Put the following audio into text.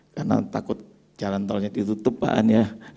karena takut jalan tolnya ditutup pak an ya